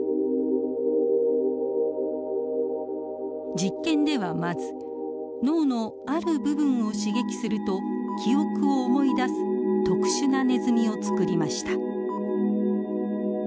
実験ではまず脳のある部分を刺激すると記憶を思い出す特殊なネズミを作りました。